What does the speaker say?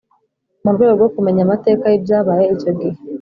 Mu rwego rwo kumenya amateka y’ibyabaye icyo gihe